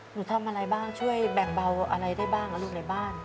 หนูทำอะไรบ้างช่วยแบ่งเบาอะไรได้บ้างลูกในบ้าน